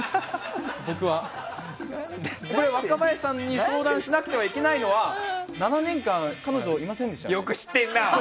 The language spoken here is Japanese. これ、若林さんに相談しなくてはいけないのは７年間、彼女いませんでした。